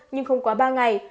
nhưng không quá ba ngày